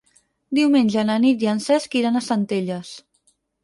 Diumenge na Nit i en Cesc iran a Centelles.